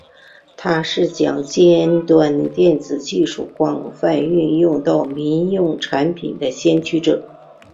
他是将尖端电子技术广泛运用到民用产品的先驱者。